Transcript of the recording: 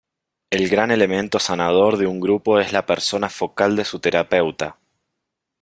El gran elemento sanador de un grupo es la persona focal de su terapeuta.